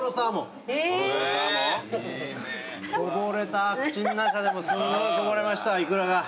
こぼれた口ん中でもすんごいこぼれましたイクラが。